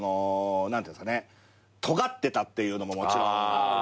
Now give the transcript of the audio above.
とがってたっていうのももちろん。